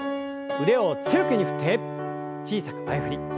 腕を強く振って小さく前振り。